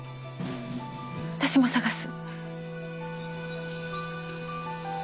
私も捜す。